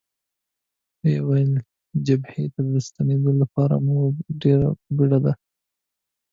ویې ویل: جبهې ته د ستنېدو لپاره مو ډېره بېړه ده.